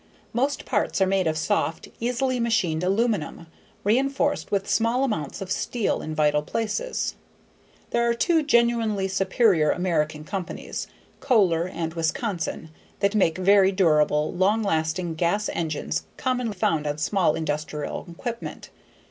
Most parts are made of soft, easily machined aluminum, reinforced with small amounts of steel in vital places. There are two genuinely superior American companies Kohler and Wisconsin that make very durable, long lasting gas engines commonly found on small industrial equipment.